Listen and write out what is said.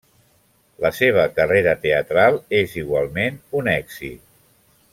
La seva carrera teatral és igualment un èxit.